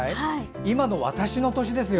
今の私の年ですよ。